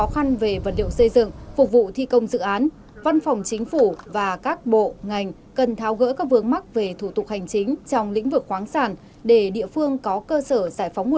hãy đăng ký kênh để ủng hộ kênh của chúng mình nhé